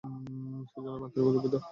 সেজন্য আমি আন্তরিকভাবে দুঃখিত!